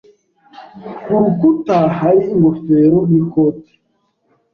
Ku rukuta hari ingofero n'ikote.